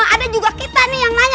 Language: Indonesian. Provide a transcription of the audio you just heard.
ada juga kita nih yang nanya